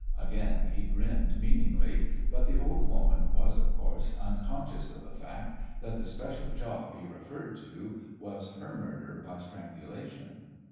Again he grinned meaningly; but the old woman was, of course, unconscious of the fact that the "special job" he referred to was her murder by strangulation.